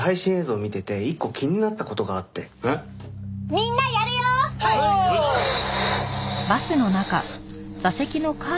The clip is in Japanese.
みんなやるよー！